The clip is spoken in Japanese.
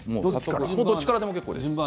どっちからでも結構です。